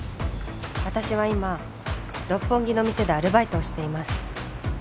「私は今六本木の店でアルバイトをしています」